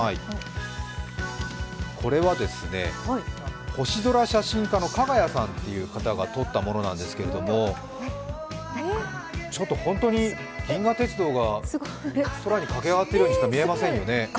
これは星空写真家のＫＡＧＡＹＡさんという方が撮ったものなんですが本当に銀河鉄道が空に駆け上がってるようにしか見えませんよね。